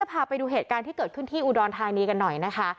พาไปดูเหตุการณ์ที่เกิดขึ้นที่อุดรธานีกันหน่อยนะคะ